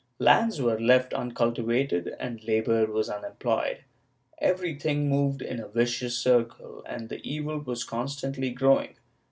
Lands were left uncultivated and labor was unemployed; every thing moved in a vicious circle, and the evil w\as constantly grow ing.